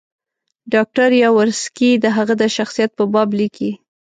ډاکټر یاورسکي د هغه د شخصیت په باب لیکي.